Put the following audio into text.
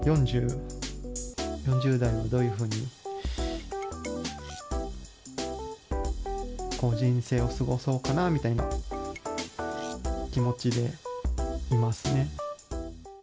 ４０代をどういうふうに人生を過ごそうかなみたいな気持ちでいますね。